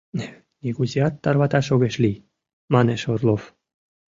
Нигузеат тарваташ огеш лий, — манеш Орлов.